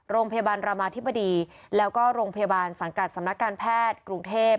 โรงพยาบาลรามาธิบดีแล้วก็โรงพยาบาลสังกัดสำนักการแพทย์กรุงเทพ